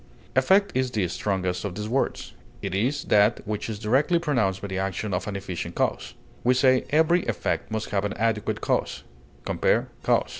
Effect is the strongest of these words; it is that which is directly produced by the action of an efficient cause; we say, "Every effect must have an adequate cause" (compare CAUSE).